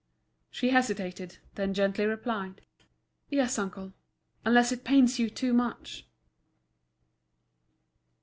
She hesitated, then gently replied: "Yes, uncle, unless it pains you too much."